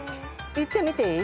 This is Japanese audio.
いってみていい？